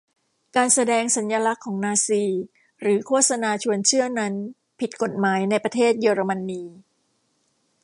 การแสดงสัญลักษณ์ของนาซีหรือโฆษณาชวนเชื่อนั้นผิดกฎหมายในประเทศเยอรมนี